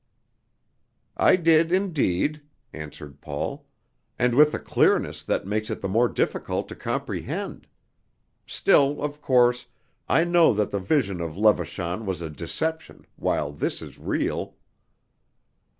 "I did, indeed," answered Paul, "and with a clearness that makes it the more difficult to comprehend; still, of course, I know that the vision of Levachan was a deception, while this is real!"